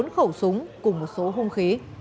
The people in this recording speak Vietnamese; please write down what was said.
bốn khẩu súng cùng một số hung khí